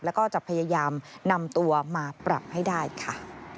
แล้วก็จะพยายามนำตัวมาปรับให้ได้ค่ะ